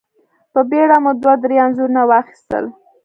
په بېړه مو دوه درې انځورونه واخيستل.